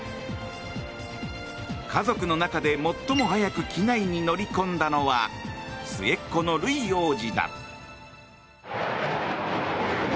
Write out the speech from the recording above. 家族の中で最も早く機内に乗り込んだのは末っ子のルイ王子だ。